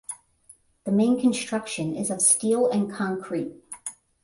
The main construction is of steel and concrete.